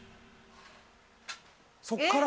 そこから？